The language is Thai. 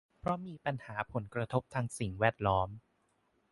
เพราะมีปัญหาผลกระทบทางสิ่งแวดล้อม